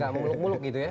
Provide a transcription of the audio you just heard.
gak muluk muluk gitu ya